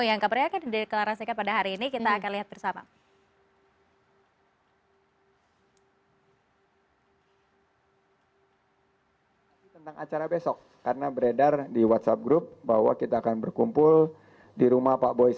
yang keberanian akan di deklarasikan pada hari ini kita akan lihat bersama